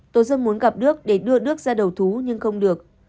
tôi rất muốn gặp đức để đưa đức ra đầu thú nhưng không được